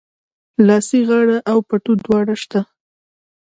لاسي غاړه او پټو دواړه سته